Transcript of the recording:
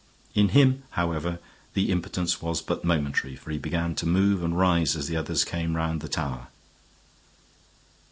In him, however, the impotence was but momentary, for he began to move and rise as the others came round the tower.